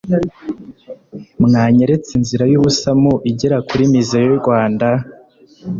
mwanyeretse inziray'ubusamo igera kuri muze y'u rwanda